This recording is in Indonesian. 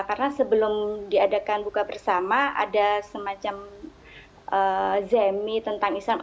karena sebelum diadakan buka bersama ada semacam zemi tentang islam